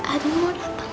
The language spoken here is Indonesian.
adi mau datang